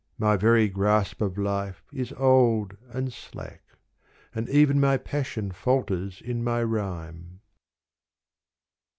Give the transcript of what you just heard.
My very grasp of life is old and slack And even my passion falters in my rhyme.